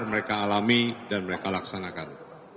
mereka alami dan mereka laksanakan